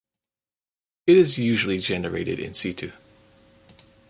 It is usually generated in situ.